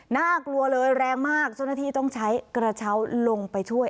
น่ากลัวเลยแรงมากเจ้าหน้าที่ต้องใช้กระเช้าลงไปช่วย